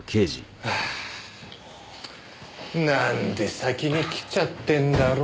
なんで先に来ちゃってんだろう？